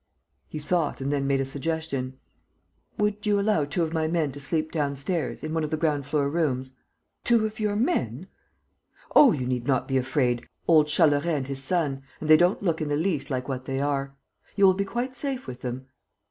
He thought and then made a suggestion: "Would you allow two of my men to sleep downstairs, in one of the ground floor rooms?" "Two of your men? ..." "Oh, you need not be afraid! They are decent men, old Charolais and his son, and they don't look in the least like what they are. ... You will be quite safe with them.